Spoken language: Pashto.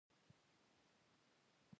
احمد او علي په نه خبره سره غېږ په غېږ شول.